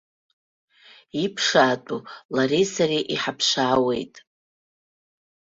Иԥшаатәу лареи сареи иҳаԥшаауеит.